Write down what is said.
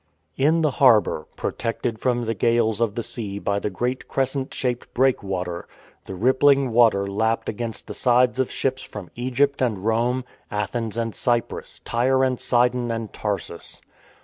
In the harbour, protected from the gales of the sea by the great crescent shaped breakwater, the rippling THE TWO ESCAPES 97 water lapped against the sides of ships from Egypt and Rome, Athens and Cyprus, Tyre and Sidon and Tarsus.